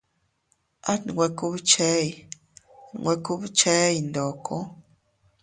At nwe kubchey nwe kubchey ndoko.